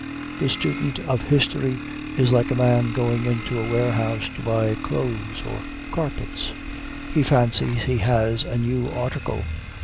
The student of history is like a man going into a warehouse to buy cloths or carpets. He fancies he has a new article.